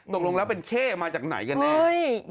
ตกลงแล้วเป็นเข้มาจากไหนกันแน่